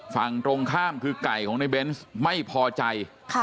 ฝั่งตรงข้ามคือไก่ของในเบนส์ไม่พอใจ